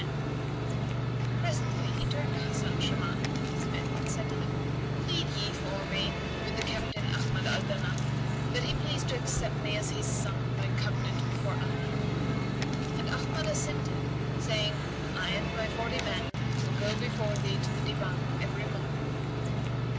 [FN#83] Presently, he turned to Hasan Shuman and his men and said to them, "Plead ye for me with the Captain Ahmad al Danaf that he please to accept me as his son by covenant before Allah." And Ahmad assented, saying, "I and my forty men will go before thee to the Divan every morning."